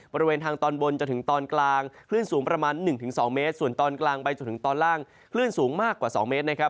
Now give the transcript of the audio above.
บริเวณทางตอนบนจนถึงตอนกลางคลื่นสูงประมาณ๑๒เมตรส่วนตอนกลางไปจนถึงตอนล่างคลื่นสูงมากกว่า๒เมตรนะครับ